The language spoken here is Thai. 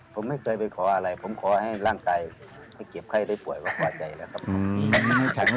ผมไม่เคยไปขออะไรผมขอให้ร่างกายให้เก็บไข้ได้ป่วยว่ากว่าใจนะครับ